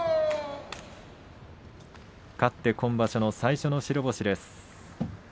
勝って今場所の最初の白星です。